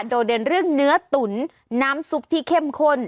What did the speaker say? เด่นเรื่องเนื้อตุ๋นน้ำซุปที่เข้มข้น